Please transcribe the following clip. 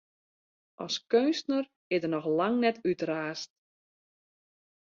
As keunstner is er noch lang net útraasd.